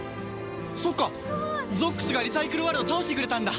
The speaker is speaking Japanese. そっかゾックスがリサイクルワルドを倒してくれたんだ。